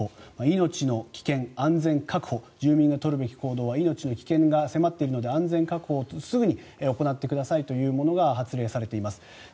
命の危険、安全確保住民が取るべき行動は命の危険が迫っているので安全確保をすぐに行ってくださいというものが発令されています。